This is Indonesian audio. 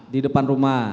di depan rumah